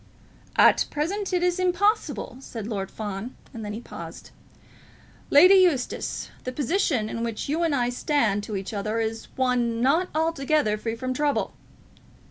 "At present it is impossible," said Lord Fawn; and then he paused. "Lady Eustace, the position in which you and I stand to each other is one not altogether free from trouble."